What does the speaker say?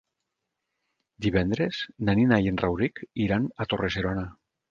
Divendres na Nina i en Rauric iran a Torre-serona.